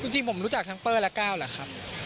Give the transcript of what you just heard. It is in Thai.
จริงผมรู้จักทั้งเปอร์และก้าวเหรอครับ